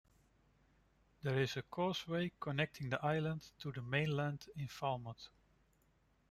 There is a causeway connecting the island to the mainland in Falmouth.